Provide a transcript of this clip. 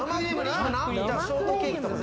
ショートケーキとか？